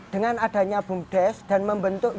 dengan adanya bumdes dan membentuk